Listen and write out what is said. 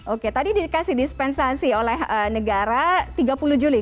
oke tadi dikasih dispensasi oleh negara tiga puluh juli